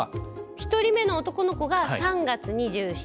１人目の男の子が３月２７。